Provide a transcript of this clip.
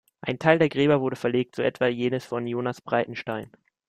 Ein Teil der Gräber wurde verlegt, so etwa jenes von Jonas Breitenstein.